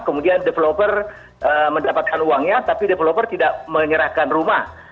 kemudian developer mendapatkan uangnya tapi developer tidak menyerahkan rumah